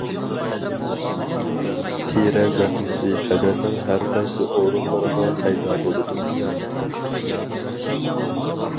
تېرە زەخمىسى بەدەننىڭ ھەر قايسى ئورۇنلىرىغا پەيدا بولىدۇ.